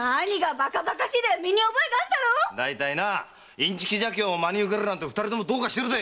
⁉インチキ邪教を真に受けて二人ともどうかしてるぜ！